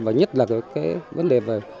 và nhất là cái vấn đề